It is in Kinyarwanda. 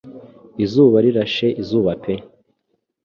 izuba rirashe izuba pe